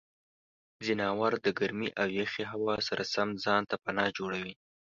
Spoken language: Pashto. ځناور د ګرمې او یخې هوا سره سم ځان ته پناه جوړوي.